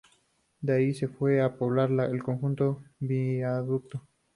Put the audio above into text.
De allí se fue a probar al conjunto del viaducto.